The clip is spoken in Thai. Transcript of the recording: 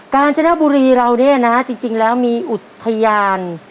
การจนบุรีเราเนี่ยนะจริงแล้วมีอุทยาน